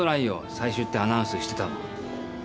「最終」ってアナウンスしてたもん。